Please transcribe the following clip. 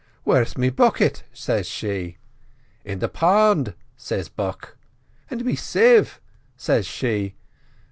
"'Where's me bucket?' says she. "'In the pond,' say Buck. "'And me sieve?' says she.